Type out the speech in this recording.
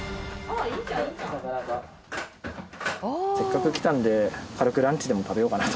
せっかく来たので軽くランチでも食べようかなと。